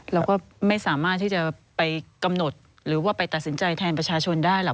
เราก็ไม่สามารถที่จะไปกำหนดหรือว่าไปตัดสินใจแทนประชาชนได้หรอก